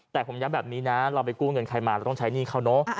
แต่ผมย้ำแบบนี้นะเราไปกู้เงินใครมาเราต้องใช้หนี้เขาเนอะ